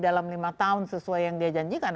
dalam lima tahun sesuai yang dia janjikan